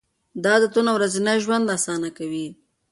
دا عادتونه ورځنی ژوند اسانه کوي.